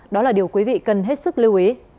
đó là điều quý vị cần hết sức lưu ý